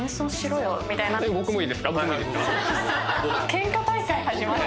ケンカ大会始まる。